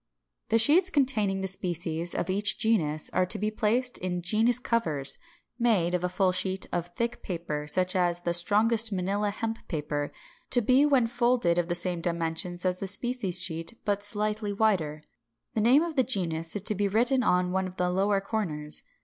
568. The sheets containing the species of each genus are to be placed in genus covers, made of a full sheet of thick paper (such as the strongest Manilla hemp paper), to be when folded of the same dimensions as the species sheet but slightly wider: the name of the genus is to be written on one of the lower corners.